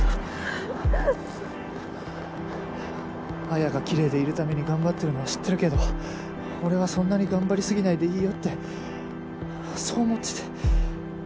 彩がきれいでいるために頑張ってるのは知ってるけど俺はそんなに頑張り過ぎないでいいよってそう思ってて。